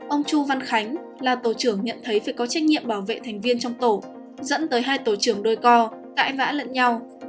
ông chu văn khánh là tổ trưởng nhận thấy phải có trách nhiệm bảo vệ thành viên trong tổ dẫn tới hai tổ trưởng đôi co cãi vã lẫn nhau